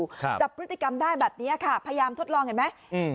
ครับจับพฤติกรรมได้แบบเนี้ยค่ะพยายามทดลองเห็นไหมอืม